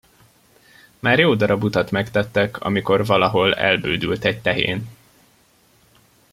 Már jó darab utat megtettek, amikor valahol elbődült egy tehén.